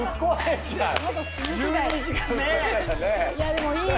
でもいい。